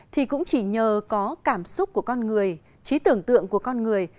thì cũng chỉ nhờ có cảm xúc của con người trí tưởng tượng của con người